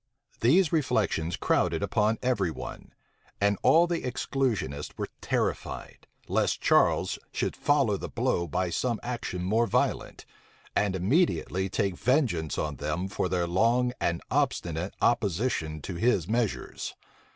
These reflections crowded upon every one; and all the exclusionists were terrified, lest Charles should follow the blow by some action more violent, and immediately take vengeance on them for their long and obstinate opposition to his measures.